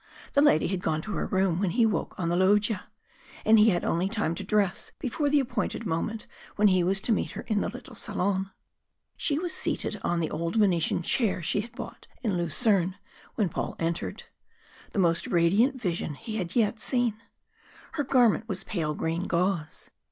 The lady had gone to her room when he woke on the loggia, and he had only time to dress before the appointed moment when he was to meet her in the little salon. She was seated on the old Venetian chair she had bought in Lucerne when Paul entered the most radiant vision he had yet seen. Her garment was pale green gauze.